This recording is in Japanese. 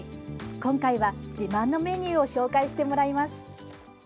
今回は自慢のメニューを紹介してもらいます。